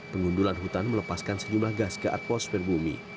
pengundulan hutan melepaskan sejumlah gas ke atmosfer bumi